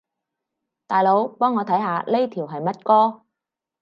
大佬，幫我看下呢條係乜歌